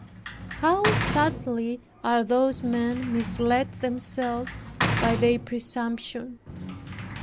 How sadly are those men misled themselves by their presumption!